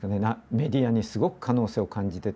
メディアにすごく可能性を感じてて。